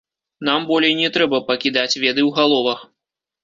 Нам болей не трэба пакідаць веды ў галовах.